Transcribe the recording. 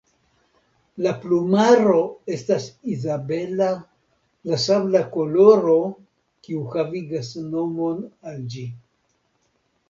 La plumaro estas izabela, la sabla koloro kiu havigas nomon al ĝi.